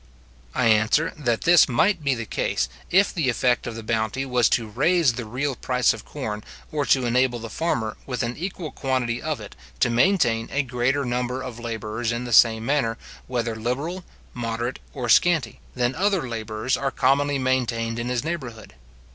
I answer, that this might be the case, if the effect of the bounty was to raise the real price of corn, or to enable the farmer, with an equal quantity of it, to maintain a greater number of labourers in the same manner, whether liberal, moderate, or scanty, than other labourers are commonly maintained in his neighbourhood.